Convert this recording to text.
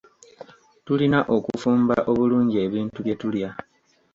Tulina okufumba obulungi ebintu bye tulya.